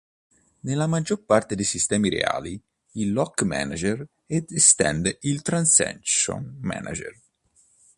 Nella maggior parte dei sistemi reali, il Lock Manager estende il transaction manager.